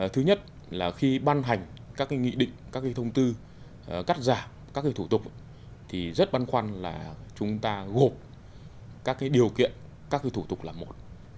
thứ nhất là khi băn hành các cái nghị định các cái thông tư cắt giảm các cái thủ tục thì rất băn khoăn là chúng ta gộp các cái điều kiện các cái thủ tục là một